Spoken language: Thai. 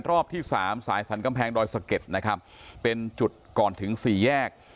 รอบที่สามสายสรรกำแพงดอยสะเก็ดนะครับเป็นจุดก่อนถึงสี่แยก